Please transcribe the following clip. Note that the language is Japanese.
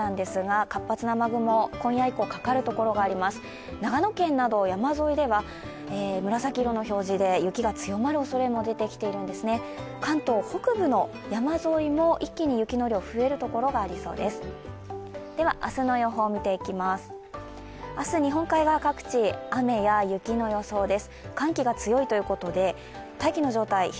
関東北部の山沿いも一気に雪の量が増えるところがありそうです。